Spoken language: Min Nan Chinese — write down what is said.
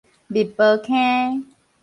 密婆坑